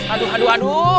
aduh aduh aduh